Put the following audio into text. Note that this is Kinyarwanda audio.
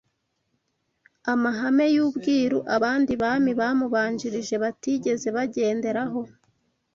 amahame y’ubwiru abandi bami bamubanjirije batigeze bagenderaho